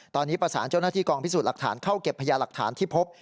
ตอนนี้ประสานเจ้าหน้าที่กองพิสูจน์หลักฐานเข้าเก็บพยาหลักฐานที่พบ